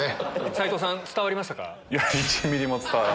斎藤さん伝わりましたか？